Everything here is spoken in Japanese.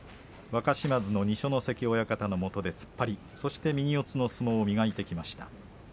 若嶋津の二所ノ関親方のもとで突っ張りそして右四つの相撲を磨いてきました。